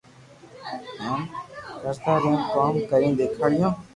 ھين ڪرتا رھيو ڪوم ڪرين ديکاريو